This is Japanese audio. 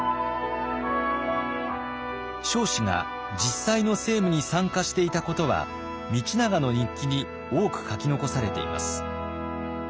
彰子が実際の政務に参加していたことは道長の日記に多く書き残されています。